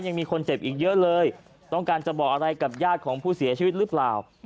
ยังมีคนเจ็บอีกเยอะเลยต้องการจะบอกอะไรกับญาติของผู้เสียชีวิตหรือเปล่า